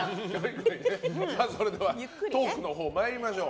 それではトークのほうを参りましょう。